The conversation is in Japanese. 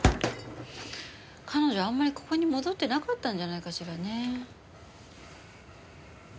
彼女あんまりここに戻ってなかったんじゃないかしらね。